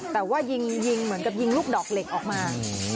แต่ว่ายิงเหมือนกับยิงลูกดอกเหล็กออกมา